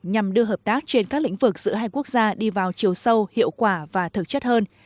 nhằm đưa hợp tác trên các lĩnh vực giữa hai quốc gia đi vào chiều sâu hiệu quả và thực chất hơn